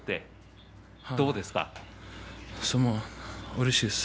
うれしいです。